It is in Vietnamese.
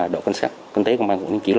đội cảnh sát kinh tế công an quận liên chiểu